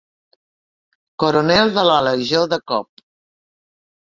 Coronel de la legió de Cobb.